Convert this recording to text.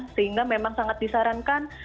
sehingga memang sangat disarankan